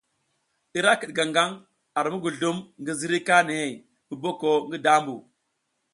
Ira kiɗ gaŋ gang ar muguzlum ngi ziriy kanihey mu boko ngi dambu.